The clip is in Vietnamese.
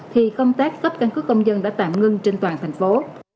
thì công tác cấp căn cứ công dân đã tạm ngưng trên toàn thành phố